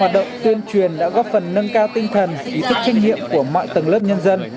hoạt động tuyên truyền đã góp phần nâng cao tinh thần ý thức trách nhiệm của mọi tầng lớp nhân dân